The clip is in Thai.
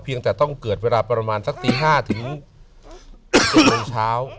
แต่ต้องเกิดเวลาประมาณสักตี๕ถึง๑๐โมงเช้า